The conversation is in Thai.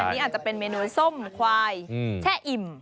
อันนี้อาจจะเป็นเมนูส้มควายแช่อิ่ม